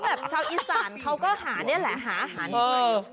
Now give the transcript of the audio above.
แบบชาวอีสานเขาก็หานี่แหละหาอาหารกิน